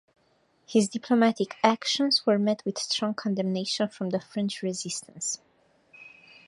His diplomatic actions were met with strong condemnation from the French Resistance.